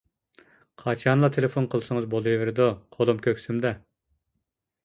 قاچانلا تېلېفون قىلسىڭىز بولۇۋېرىدۇ قولۇم كۆكسۈمدە.